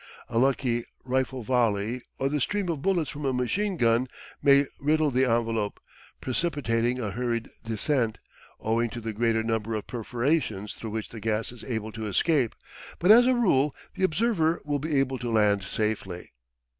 A lucky rifle volley, or the stream of bullets from a machine gun may riddle the envelope, precipitating a hurried descent, owing to the greater number of perforations through which the gas is able to escape, but as a rule the observer will be able to land safely.